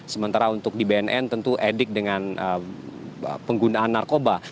sementara untuk di bnn tentu edik dengan penggunaan narkoba